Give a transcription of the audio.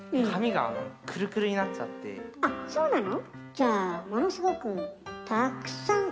あっそうなの？